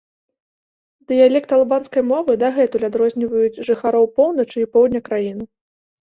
Дыялекты албанскай мовы дагэтуль адрозніваюць жыхароў поўначы і поўдня краіны.